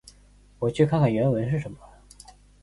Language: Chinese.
我去看看原文是什么。